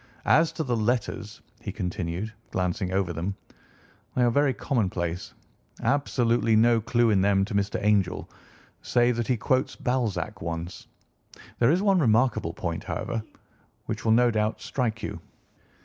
"As to the letters," he continued, glancing over them, "they are very commonplace. Absolutely no clue in them to Mr. Angel, save that he quotes Balzac once. There is one remarkable point, however, which will no doubt strike you."